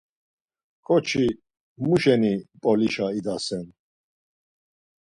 Ǩoçi muşeni Mp̌olişa idasen?